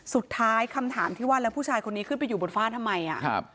คำถามที่ว่าแล้วผู้ชายคนนี้ขึ้นไปอยู่บนฝ้าทำไมอ่ะครับ